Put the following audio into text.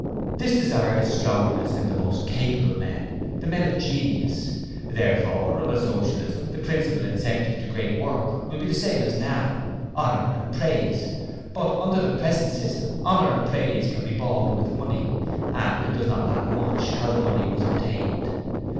'This desire is strongest in the most capable men the men of genius. Therefore, under Socialism the principal incentive to great work will be the same as now Honour and Praise. But, under the present system, Honour and Praise can be bought with money, and it does not matter much how the money was obtained.